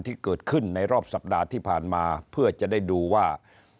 ที่เกิดขึ้นในรอบสัปดาห์ที่ผ่านมาเพื่อจะได้ดูว่า